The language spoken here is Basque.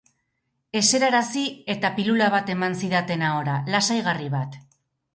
Eserarazi eta pilula bat eman zidaten ahora, lasaigarri bat.